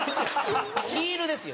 ヒールですよ。